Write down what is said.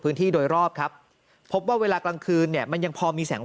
พื้นที่โดยรอบครับพบว่าเวลากลางคืนเนี่ยมันยังพอมีแสง